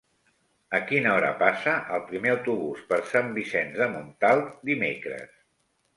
A quina hora passa el primer autobús per Sant Vicenç de Montalt dimecres?